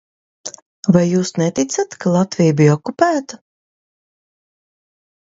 Vai jūs neticat, ka Latvija bija okupēta?